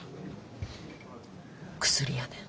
薬やねん。